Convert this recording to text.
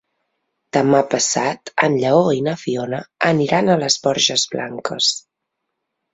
Demà passat en Lleó i na Fiona aniran a les Borges Blanques.